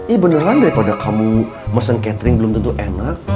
iya beneran daripada kamu mesen catering belum tentu enak